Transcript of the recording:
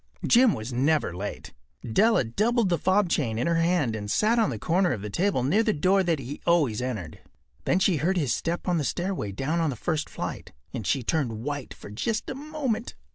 Jim was never late. Della doubled the fob chain in her hand and sat on the corner of the table near the door that he always entered. Then she heard his step on the stair away down on the first flight, and she turned white for just a moment.